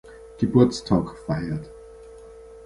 Geburtstag feiert.